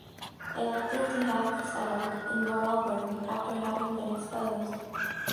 They likely to have settled in Vorarlberg after having been exposed.